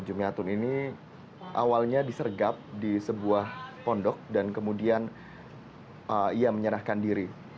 jumiatun ini awalnya disergap di sebuah pondok dan kemudian ia menyerahkan diri